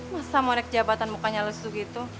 masa mau naik jabatan mukanya lesu gitu